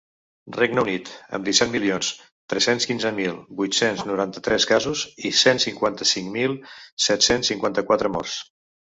Regne Unit, amb disset milions tres-cents quinze mil vuit-cents noranta-tres casos i cent cinquanta-cinc mil set-cents cinquanta-quatre morts.